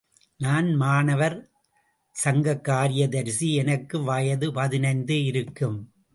நான் மாணவர் சங்கக்காரியதரிசி, எனக்கு வயது பதினைந்து இருக்கும்.